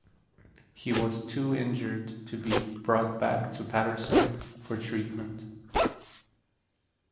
He was too injured to be brought back to Paterson for treatment.